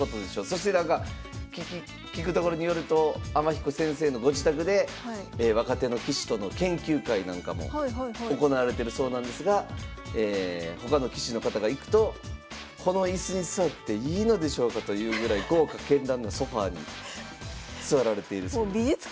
そしてなんか聞くところによると天彦先生のご自宅で若手の棋士との研究会なんかも行われてるそうなんですが他の棋士の方が行くとこの椅子に座っていいのでしょうかというぐらい豪華けんらんなソファーに座られているそうです。